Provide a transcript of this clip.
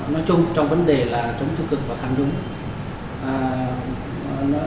nói chung trong vấn đề là chống tham nhũng và chống tham cực